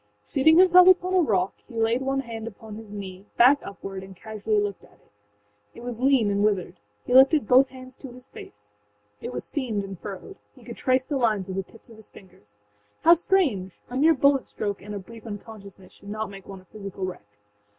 Seating himself upon a rock, he laid one hand upon his knee, back upward, and casually looked at it. It was lean and withered. He lifted both hands to his face. It was seamed and furrowed; he could trace the lines with the tips of his fingers. How strange!âa mere bullet stroke and a brief unconsciousness should not make one a physical wreck.